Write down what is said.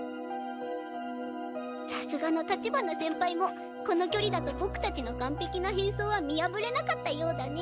さすがの立花先輩もこのきょりだとボクたちのかんぺきなへんそうは見やぶれなかったようだね。